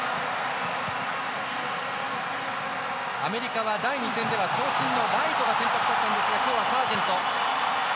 アメリカは第２戦では長身の選手が先発だったんですが今日はサージェント。